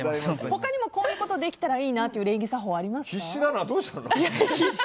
他にもこういうことできたらいいなという礼儀作法ありますか？